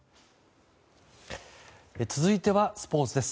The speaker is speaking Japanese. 続いてはスポーツです。